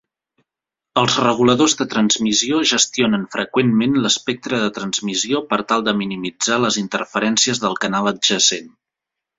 Els reguladors de transmissió gestionen freqüentment l'espectre de transmissió per tal de minimitzar les interferències del canal adjacent.